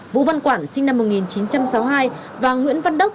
vũ văn quản sinh năm một nghìn chín trăm sáu mươi hai và nguyễn văn đức